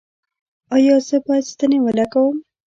ایا زه باید ستنې ولګوم؟